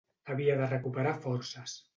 Havia de recuperar forces.